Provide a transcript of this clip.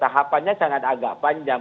tahapannya sangat agak panjang